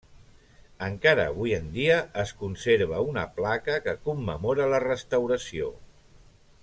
Encara avui en dia es conserva una placa que commemora la restauració.